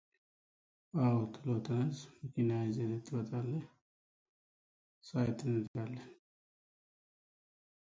It later became known as Epsom College.